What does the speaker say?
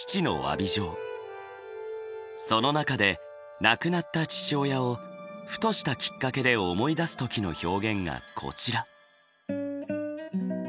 その中で亡くなった父親をふとしたきっかけで思い出すときの表現がこちら。